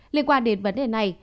liên quan đến vấn đề này